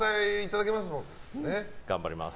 頑張ります。